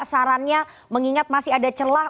sarannya mengingat masih ada celah